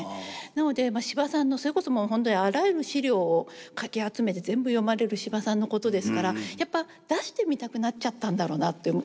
なので司馬さんのそれこそもう本当にあらゆる資料をかき集めて全部読まれる司馬さんのことですからやっぱ出してみたくなっちゃったんだろうなと思う。